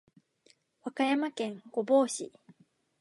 和歌山県御坊市